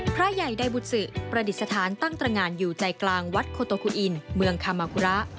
พระใหญ่ใดบุษือประดิษฐานตั้งตรงานอยู่ใจกลางวัดโคโตคุอินเมืองคามากุระ